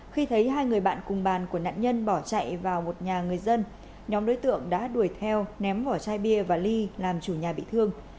khi thấy hai người bạn cùng bàn của nạn nhân bỏ chạy vào một nhà người dân nhóm đối tượng đã đuổi theo ném vỏ chai bia và ly làm chủ nhà bị thương